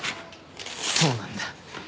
そうなんだ。